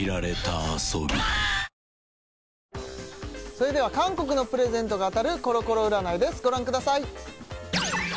それでは韓国のプレゼントが当たるコロコロ占いですご覧ください